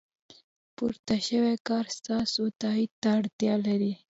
پورته شوی کار ستاسو تایید ته اړتیا لري.